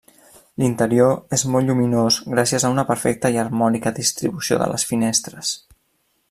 L'interior és molt lluminós gràcies a una perfecta i harmònica distribució de les finestres.